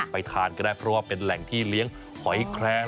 ทานก็ได้เพราะว่าเป็นแหล่งที่เลี้ยงหอยแครง